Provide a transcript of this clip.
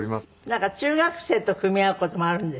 なんか中学生と組み合う事もあるんですって？